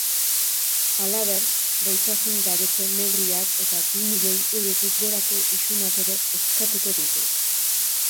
Halaber, gaitasungabetze neurriak eta bi milioi eurotik gorako isunak ere eskatuko ditu.